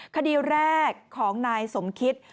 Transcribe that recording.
คดีแรกของนายสมคิต